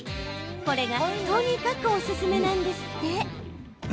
これがとにかくおすすめなんですって。